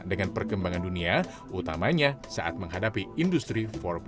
dengan perkembangan dunia utamanya saat menghadapi industri empat